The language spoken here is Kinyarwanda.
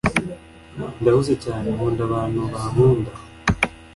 ndahuze cyane nkunda abantu bankunda.